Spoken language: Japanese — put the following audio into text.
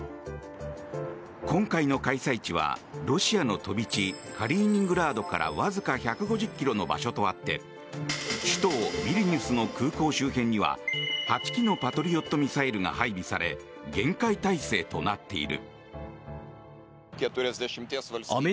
今回の開催地はロシアのカリーニングラードからわずか１５０ｋｍの場所とあって首都ビリニュスの空港周辺には８基のパトリオットミサイルが配備され厳戒態勢となっている。